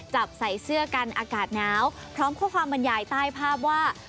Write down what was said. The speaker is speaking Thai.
จับใส่เสื้อกันอากาศหนาวพร้อมข้อความบรรยายใต้ภาพว่า